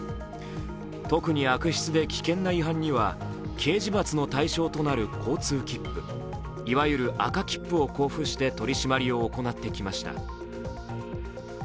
特に悪質で危険な違反には刑事罰の対象となる交通切符、いわゆる赤切符を交付して取り締まりを行ってきました。